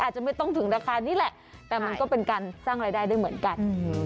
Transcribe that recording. อาจจะไม่ต้องถึงราคานี้แหละแต่มันก็เป็นการสร้างรายได้ได้เหมือนกัน